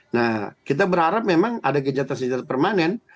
nah kita berharap memang ada gencatan senjata permanen